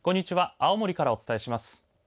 青森からお伝えします。